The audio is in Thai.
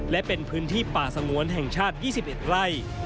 และเป็นพื้นที่ป่าสงวนแห่งชาติ๒๑ไร่